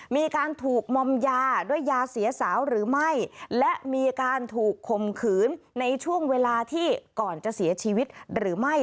มีการถูกมอมยาด้วยยาเสียสาวหรือไม่และมีการถูกข่มขืนในช่วงเวลาที่ก่อนจะเสียชีวิตหรือไม่